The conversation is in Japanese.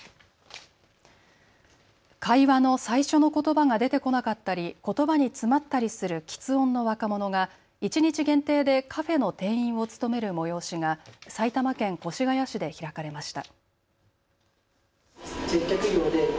会話の最初のことばが出てこなかったりことばに詰まったりするきつ音の若者が一日限定でカフェの店員を務める催しが埼玉県越谷市で開かれました。